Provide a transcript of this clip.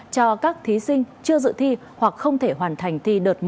cho các thí sinh chưa dự thi hoặc không thể hoàn thành thi đợt một